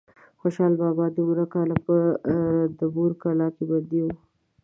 خوشحال بابا دومره کاله په رنتبور کلا کې بندي و.